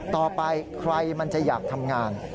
ต่อไปใครมันจะอยากทำงาน